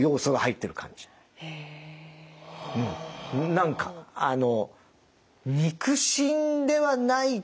何かあの。